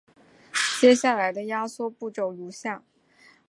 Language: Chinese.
接下来的压缩步骤如下。